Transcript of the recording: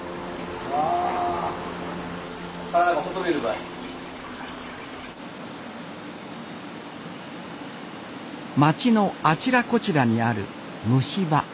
あ町のあちらこちらにある蒸し場。